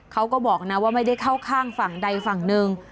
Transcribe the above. เขาก็บอกนะว่าไม่ได้เข้าข้างฝั่งใดฝั่งหนึ่ง